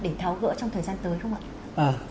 để tháo gỡ trong thời gian tới không ạ